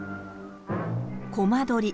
「コマ撮り」。